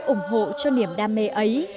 ủng hộ cho niềm đam mê ấy